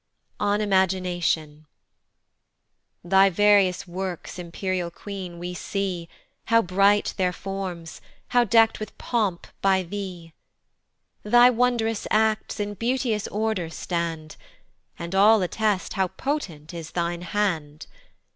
On IMAGINATION. THY various works, imperial queen, we see, How bright their forms! how deck'd with pomp by thee! Thy wond'rous acts in beauteous order stand, And all attest how potent is thine hand.